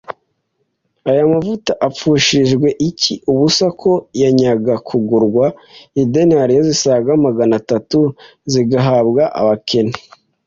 «Aya mavuta apfushirijwe iki ubusa ko yajyaga kugurwa idenariyo zisaga magana atatu, zigahabwa abakene